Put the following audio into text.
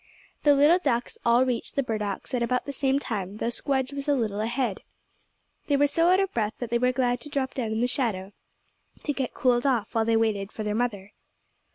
The little ducks all reached the burdocks at about the same time, though Squdge was a little ahead. They were so out of breath that they were glad to drop down in the shadow to get cooled off while they waited for their mother.